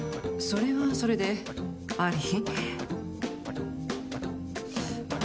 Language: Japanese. それはそれで、あり？